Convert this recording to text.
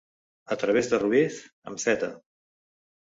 A través de Ruiz, amb zeta.